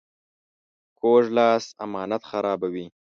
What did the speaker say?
کوږ لاس امانت خرابوي